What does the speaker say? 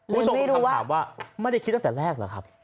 กูต้องคิดคำถามว่าไม่ได้คิดตั้งแต่แรกเหรอครับ